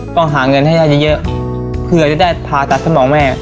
ก็หาเงินให้ทันอย่างเยอะเพื่อจะได้พารักษไปบอกแม่